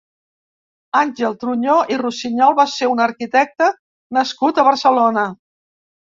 Àngel Truñó i Rusiñol va ser un arquitecte nascut a Barcelona.